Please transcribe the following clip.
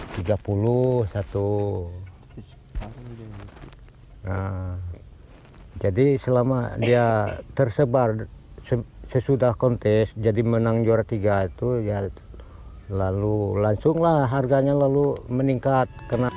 nah jadi selama dia tersebar sesudah kontes jadi menang juara tiga itu ya lalu langsunglah harganya lalu meningkat